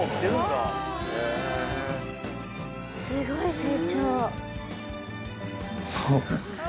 すごい成長。